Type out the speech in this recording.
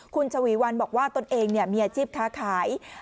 คุณชวีวันบอกว่าตนเองมีอาชีพค้าขาย